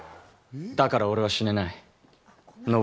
だから俺は死なない。